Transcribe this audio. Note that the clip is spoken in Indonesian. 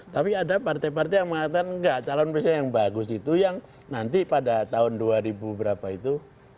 tapi ada partai partai yang mengatakan enggak calon presiden yang bagus itu yang nanti pada tahun dua ribu berapa itu